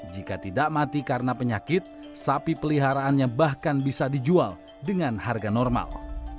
jika tidak mati karena penyakit sapi peliharaannya bahkan bisa dijual dengan harga normal